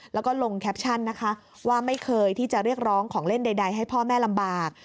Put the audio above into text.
แล้วก็ลงแคปชั่นนะคะว่าไม่เคยที่จะเรียกร้องของเล่นใดให้พ่อแม่ลำบาก